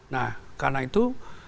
nah karena itu